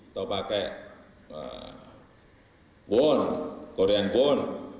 atau pakai won korean won